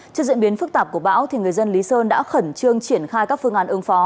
trước diễn biến phức tạp của bão người dân lý sơn đã khẩn trương triển khai các phương án ứng phó